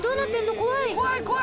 怖い怖い。